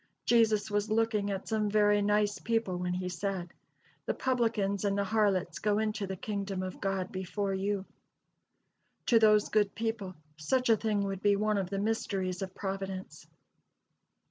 Jesus was looking at some very nice people when he said, "The publicans and the harlots go into the kingdom of God before you." To those good people, such a thing would be one of the "mysteries of Providence."